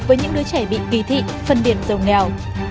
với những đứa trẻ bị kỳ thị phân biệt giàu nghèo